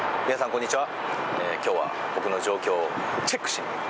こんにちは！